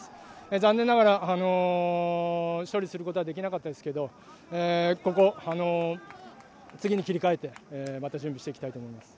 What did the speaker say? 残念ながら勝利することはできなかったですけど、ここ、次に切り替えて、また準備していきたいと思います。